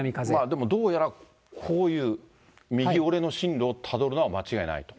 でもどうやら、こういう右折れの進路をたどるのは間違いないと。